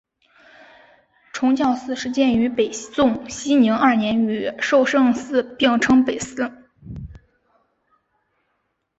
崇教寺始建于北宋熙宁二年与寿圣寺并称北寺。